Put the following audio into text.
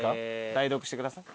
代読してください。